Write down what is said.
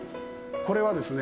これはですね